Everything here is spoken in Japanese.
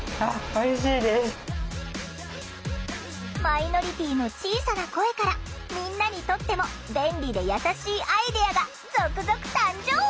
マイノリティーの小さな声からみんなにとっても便利で優しいアイデアが続々誕生！